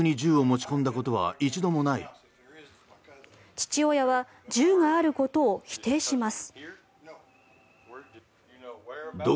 父親は銃があることを否定します。